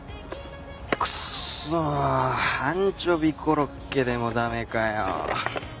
クッソアンチョビコロッケでもダメかよ。